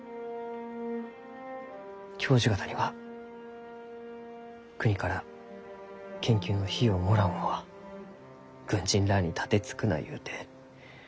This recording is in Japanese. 教授方には国から研究の費用をもらう者は軍人らあに盾つくなゆうて。